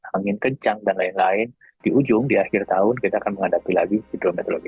angin kencang dan lain lain di ujung di akhir tahun kita akan menghadapi lagi hidrometeorologi